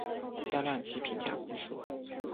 销量及评价不俗。